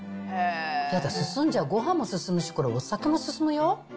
やだ、進んじゃう、ごはんも進むし、これ、お酒も進むよ。